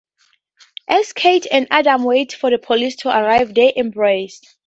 As Kate and Adam wait for the police to arrive, they embrace.